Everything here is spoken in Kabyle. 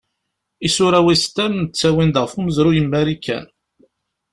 Isura western ttawin-d ɣef umezruy n Marikan.